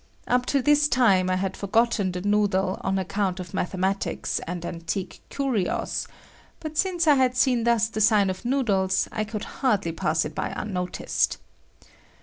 Up to this time I had forgotten the noodle on account of mathematics and antique curios, but since I had seen thus the sign of noodles, I could hardly pass it by unnoticed.